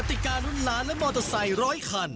ติการุ้นล้านและมอเตอร์ไซค์ร้อยคัน